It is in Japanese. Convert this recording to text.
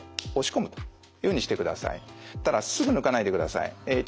ただすぐ抜かないでください。